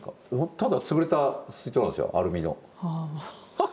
ただ潰れた水筒なんですよアルミの。